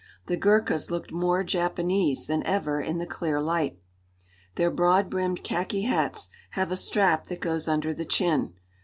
The Ghurkas looked more Japanese than ever in the clear light. Their broad brimmed khaki hats have a strap that goes under the chin.